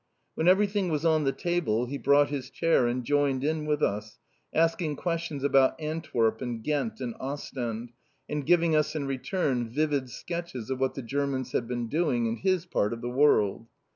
When everything was on the table he brought his chair and joined in with us, asking questions about Antwerp, and Ghent, and Ostend, and giving us in return vivid sketches of what the Germans had been doing in his part of the world.